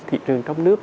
thị trường trong nước